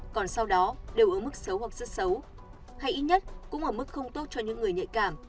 còn sau đó đều ở mức xấu hoặc rất xấu hay ít nhất cũng ở mức không tốt cho những người nhạy cảm